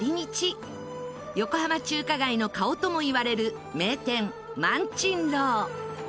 横浜中華街の顔ともいわれる名店萬珍樓。